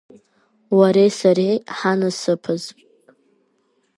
Уареи сареи ҳанасыԥаз!